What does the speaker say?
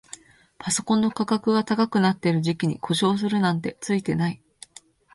パソコンの価格が高くなってる時期に故障するなんてツイてない